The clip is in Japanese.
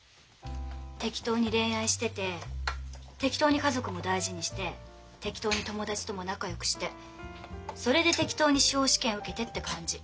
適当に恋愛してて適当に家族も大事にして適当に友達とも仲よくしてそれで適当に司法試験受けてって感じ。